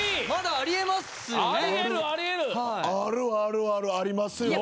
あるあるあるありますよ。